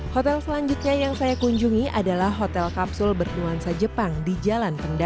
hotel selanjutnya yang saya kunjungi adalah hotel kapsul bernuansa jepang di jalan pendatang